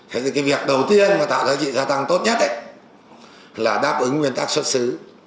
thế thì cái việc đầu tiên mà tạo giá trị gia tăng tốt nhất là đáp ứng nguyên tắc xuất xứ